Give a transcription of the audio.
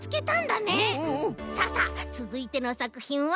ささっつづいてのさくひんは？